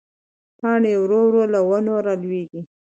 پاڼې ورو ورو له ونو رالوېږي